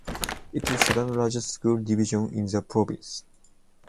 It is the second largest school division in the province.